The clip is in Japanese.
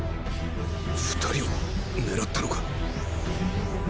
２人を狙ったのか？